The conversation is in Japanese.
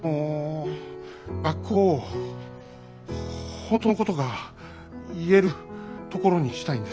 本当のことが言えるところにしたいんです。